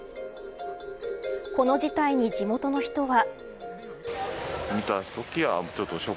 この事態に地元の人は。